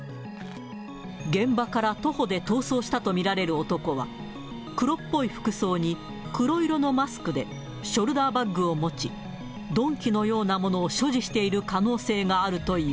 現場から徒歩で逃走したと見られる男は、黒っぽい服装に黒色のマスクで、ショルダーバッグを持ち、鈍器のようなものを所持している可能性があるという。